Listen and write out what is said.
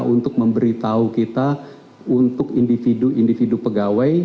untuk memberi tahu kita untuk individu individu pegawai